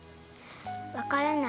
わからない。